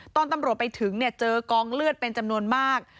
ตอนตำรวจไปถึงเจอกองเลือดเป็นจำนวนมาก